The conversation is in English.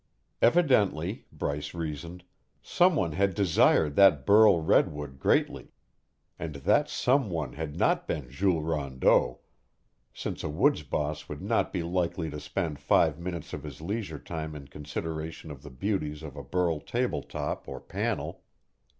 Evidently, Bryce reasoned, someone had desired that burl redwood greatly, and that someone had not been Jules Rondeau, since a woods boss would not be likely to spend five minutes of his leisure time in consideration of the beauties of a burl table top or panel.